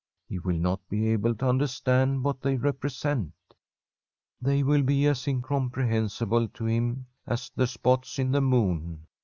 He will not be able to understand what they repre sent ; they will be as incomprehensible to him as the spots in the moon.